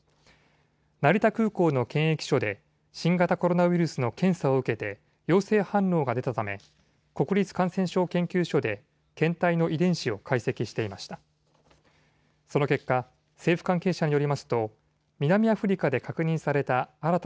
成田空港の検疫所で新型コロナウイルスの検査を受けて陽性反応が出たため国立感染症研究所で検体の遺伝子を解析していました。